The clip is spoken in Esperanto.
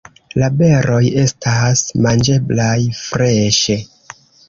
La beroj estas manĝeblaj freŝe.